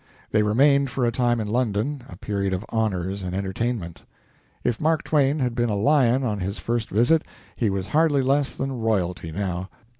They remained for a time in London a period of honors and entertainment. If Mark Twain had been a lion on his first visit, he was hardly less than royalty now.